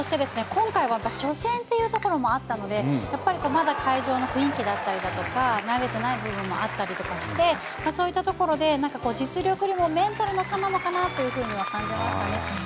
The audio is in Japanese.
今回は初戦っていうところもあったのでやっぱりまだ会場の雰囲気だったりだとか慣れてない部分もあったりとかしてそういったところで実力よりかはメンタルの差なのかなというふうには感じましたね。